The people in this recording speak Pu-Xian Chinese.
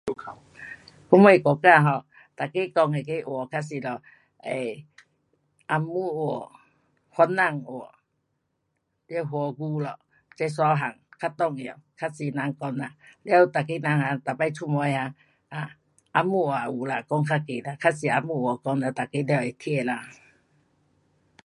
我们国家 um 每个讲那个话较多都，um 红毛话，番呐话，了华文咯，这三样较重要，较多人讲呐，了每个人啊，每次出门啊，um 红毛话有啦讲较多，较常红毛话讲了每个都会听啦。